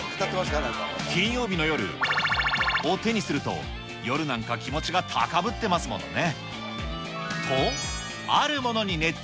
金曜日の夜、×××を手にすると、夜なんか気持ちが高ぶってますものね。